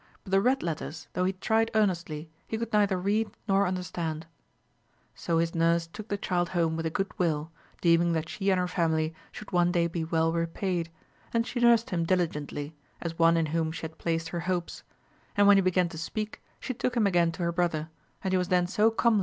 But the red letters, though he tried earnestly, he could neither read nor understand. So his nurse took the child home with a good will, deeming that she and her family should one day be well repaid 3 and she nursed him diligently, as one in whom she had placed her hopes ; and when he began to speak, she took him again to her brother, and he was then so comely AMADIS OF GAUL.